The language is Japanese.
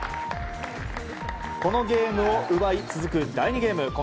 このゲームを奪い続く第２ゲーム。